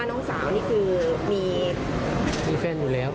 ออมีแฟนอยู่แล้ว